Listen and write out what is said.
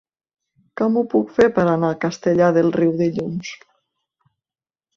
Com ho puc fer per anar a Castellar del Riu dilluns?